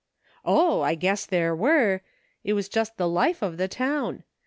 "Oh ! I guess there were. It was just the life of the town.